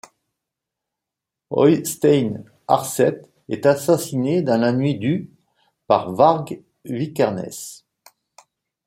Øystein Aarseth est assassiné dans la nuit du par Varg Vikernes.